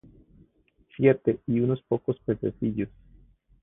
Siete, y unos pocos pececillos.